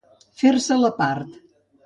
Fer-se la part.